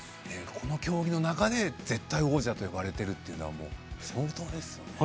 この競技の中で絶対王者と呼ばれてるって相当ですよね。